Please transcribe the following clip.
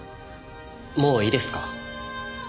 もういいですか？